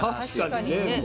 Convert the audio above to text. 確かにね